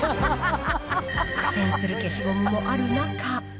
苦戦する消しゴムもある中。